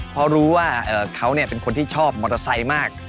เพราะรู้ว่าเขาเป็นคนที่ชอบมอเตอร์ไซค์มาก